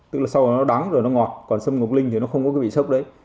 tức là sau nó đắng rồi nó ngọt còn xâm ngọc linh thì nó không có cái vị sốc đấy